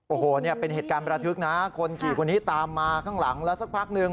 โอ้โหเนี่ยเป็นเหตุการณ์ประทึกนะคนขี่คนนี้ตามมาข้างหลังแล้วสักพักหนึ่ง